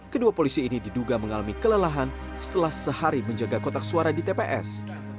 kedua polisi ini diduga mengalami kelelahan setelah sehari menjaga kotak suara di tps